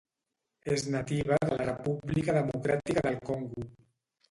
És nativa de la República Democràtica del Congo.